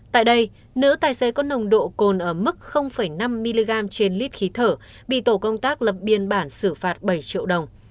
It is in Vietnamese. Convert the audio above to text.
tại đây nữ tài xế có nồng độ cồn ở mức năm mg trên lít khí thở bị tổ công tác lập biên bản xử phạt bảy triệu đồng